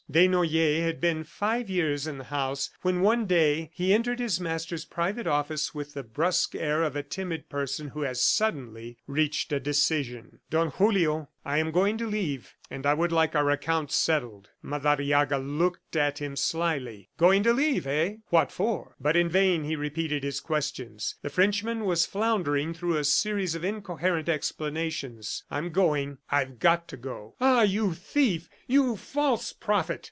Desnoyers had been five years in the house when one day he entered his master's private office with the brusque air of a timid person who has suddenly reached a decision. "Don Julio, I am going to leave and I would like our accounts settled." Madariaga looked at him slyly. "Going to leave, eh? ... What for?" But in vain he repeated his questions. The Frenchman was floundering through a series of incoherent explanations "I'm going; I've got to go." "Ah, you thief, you false prophet!"